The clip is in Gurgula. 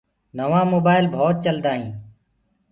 نوآ مونآئيل بوت چلدآ هينٚ